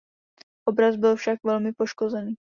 Obraz byl však velmi poškozený.